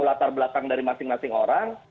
latar belakang dari masing masing orang